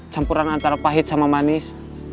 campuran antara pahit sama manis